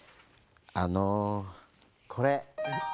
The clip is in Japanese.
あのこれ。